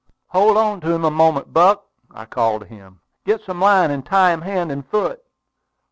"Hold on to him a moment, Buck!" I called to him. "Get some line, and tie him hand and foot!"